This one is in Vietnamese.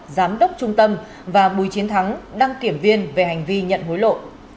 giám đốc trung tâm và bùi chiến thắng đăng kiểm viên về hành vi nhận hối lộ